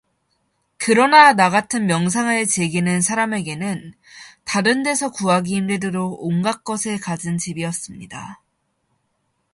그러나 나 같은 명상을 즐기는 사람에게는 다른 데서 구하기 힘들도록 온갖 것을 가진 집이었습니다.